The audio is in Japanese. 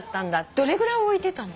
どれぐらい置いてたの？